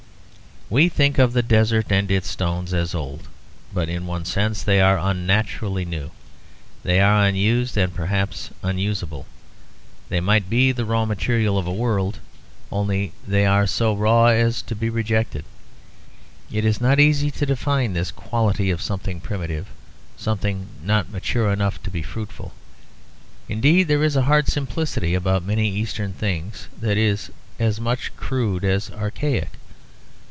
We think of the desert and its stones as old; but in one sense they are unnaturally new. They are unused, and perhaps unusable. They might be the raw material of a world; only they are so raw as to be rejected. It is not easy to define this quality of something primitive, something not mature enough to be fruitful. Indeed there is a hard simplicity about many Eastern things that is as much crude as archaic.